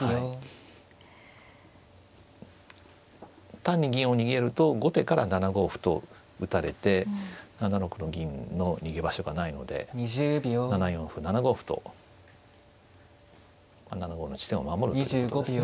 単に銀を逃げると後手から７五歩と打たれて７六の銀の逃げ場所がないので７四歩７五歩と７五の地点を守るということですね。